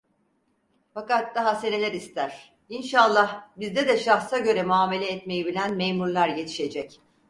Fakat daha seneler ister, inşallah, bizde de, şahsa göre muamele etmeyi bilen memurlar yetişecek.